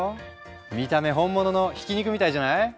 見た目本物のひき肉みたいじゃない？